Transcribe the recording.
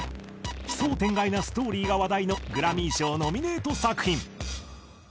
奇想天外なストーリーが話題のグラミー賞ノミネート作品。